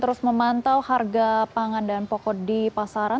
terus memantau harga pangan dan pokok di pasaran